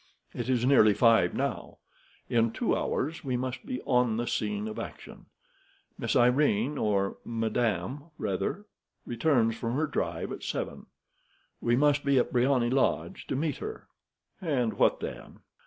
It is nearly five now. In two hours we must be on the scene of action. Miss Irene, or Madame, rather, returns from her drive at seven. We must be at Briony Lodge to meet her." "And what then?"